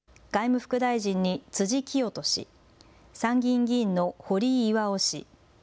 外務副大臣に辻清人氏、参議院議員の堀井巌氏。